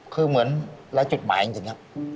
คือเหมือนหลายจุดหมายจริงครับ